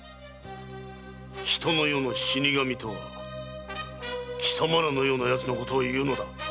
人の世の死神とは貴様らのようなやつのことをいうのだ。